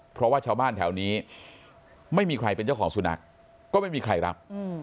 เพราะว่าชาวบ้านแถวนี้ไม่มีใครเป็นเจ้าของสุนัขก็ไม่มีใครรับ